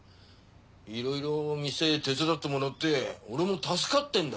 いろいろ店手伝ってもらって俺も助かってんだ。